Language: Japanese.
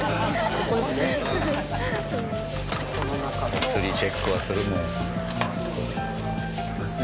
お釣りチェックはするもん。